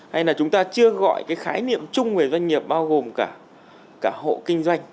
hay là chúng ta chưa gọi cái khái niệm chung về doanh nghiệp bao gồm cả hộ kinh doanh